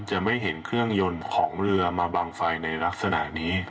จะไม่เห็นเครื่องยนต์ของเรือมาบังไฟในลักษณะนี้